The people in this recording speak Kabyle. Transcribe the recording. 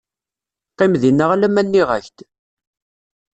Qqim dinna alamma nniɣ-ak-d.